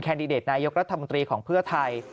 ดิเดตนายกรัฐมนตรีของเพื่อไทย